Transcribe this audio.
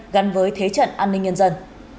gắn với thế trận an ninh nhân dân